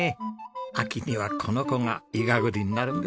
秋にはこの子がイガ栗になるんですね。